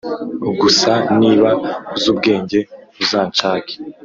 gusa niba uzubwenge uzanshake